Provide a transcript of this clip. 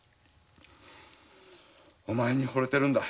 お前にホれているんだ。